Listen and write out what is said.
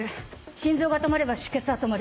心臓が止まれば出血は止まる。